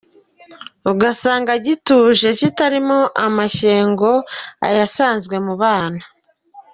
Ugasanga gituje kitarimo amashyengo aya asanzwe mu bana.